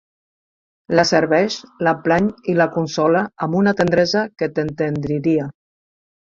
La serveix, la plany i l'aconsola amb una tendresa que t'entendriria.